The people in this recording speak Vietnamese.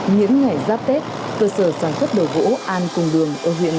những ngày giáp tết cơ sở sản xuất đồ gỗ an cùng đường ở huyện tây nguyên